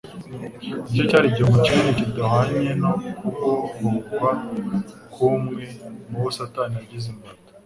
nicyo cyari igihombo kinini kidahwanye no kubohorwa k'umwe mu bo Satani yagize imbata.